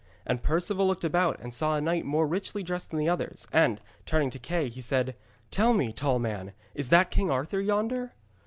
And Perceval looked about and saw a knight more richly dressed than the others, and, turning to Kay, he said: 'Tell me, tall man, is that King Arthur yonder?'